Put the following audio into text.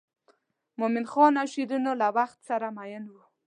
مومن خان او شیرینو له وخته سره مئین وو.